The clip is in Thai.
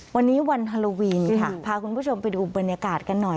วันนี้วันฮาโลวีนค่ะพาคุณผู้ชมไปดูบรรยากาศกันหน่อย